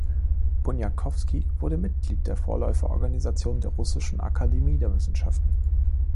Bunyakovsky wurde Mitglied der Vorläuferorganisation der Russischen Akademie der Wissenschaften.